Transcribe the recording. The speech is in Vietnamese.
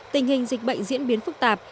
tình hình dịch bệnh diễn biến phức tạp